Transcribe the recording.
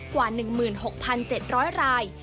กว่า๑๖๗๐๐ราย